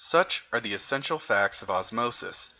Such are the essential facts of osmosis.